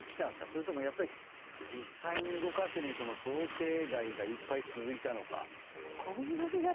それともやっぱり実際に動かしてみると想定外がいっぱい続いたのか。